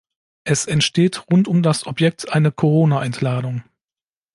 Es entsteht rund um das Objekt eine Koronaentladung.